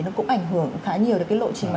nó cũng ảnh hưởng khá nhiều đến cái lộ trình mà